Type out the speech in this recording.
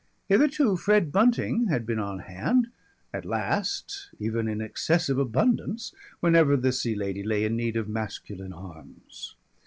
Hitherto Fred Bunting had been on hand, at last even in excessive abundance, whenever the Sea Lady lay in need of masculine arms.